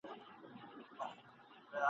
له ما مه غواړئ سندري د صیاد په پنجره کي !.